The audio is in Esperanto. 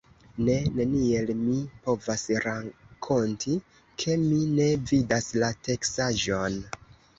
Ne, neniel mi povas rakonti, ke mi ne vidas la teksaĵon!